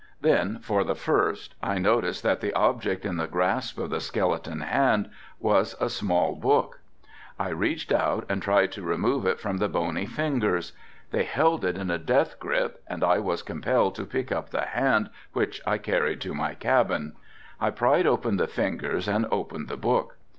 Then, for the first, I noticed that the object in the grasp of the skeleton hand was a small book. I reached out and tried to remove it from the bony fingers. They held it in a death grasp and I was compelled to pick up the hand, which I carried to my cabin. I pried open the fingers and opened the book.